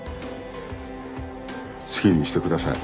好きにしてください。